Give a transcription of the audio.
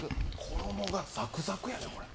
衣がザクザクやね、これ。